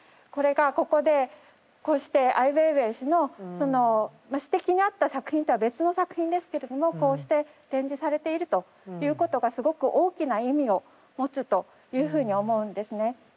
これがここでこうしてアイウェイウェイ氏のその指摘にあった作品とは別の作品ですけれどもこうして展示されているということがすごく大きな意味を持つというふうに思うんですね。